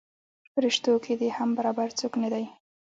پریشتو کې دې هم برابر څوک نه دی.